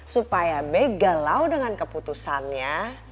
supaya be galau dengan keputusannya